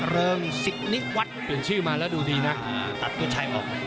สิกนิวัฒน์เปลี่ยนชื่อมาแล้วดูดีนะตัดตัวชัยออก